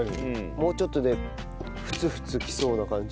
もうちょっとでふつふつきそうな感じ。